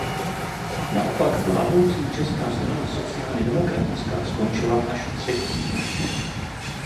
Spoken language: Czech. Naopak vládnoucí Česká strana sociálně demokratická skončila až třetí.